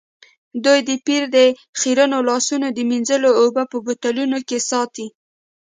دوی د پیر د خیرنو لاسونو د مینځلو اوبه په بوتلونو کې ساتي.